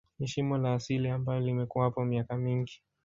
Ni shimo la asili ambalo limekuwapo miaka mingi